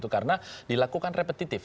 karena dilakukan repetitif